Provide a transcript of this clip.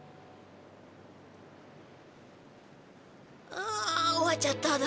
ああ終わっちゃっただ。